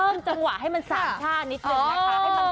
เพิ่มจังหวะให้มันสามท่านิดหนึ่งนะคะ